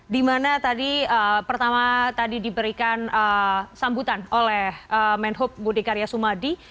dimana tadi pertama tadi diberikan sambutan oleh menhub budi karya sumadi